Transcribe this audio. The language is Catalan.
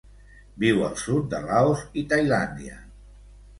Viu al sud de Laos i Tailàndia.